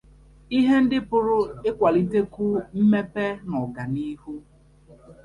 ihe ndị pụrụ ịkwàlitekwu mmepe na ọganihu